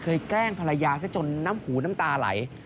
แกล้งภรรยาซะจนน้ำหูน้ำตาไหล